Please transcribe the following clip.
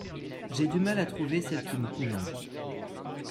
J'ai du mal à trouver celle qui me conviendrait.